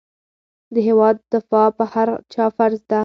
د هېواد دفاع په هر چا فرض ده.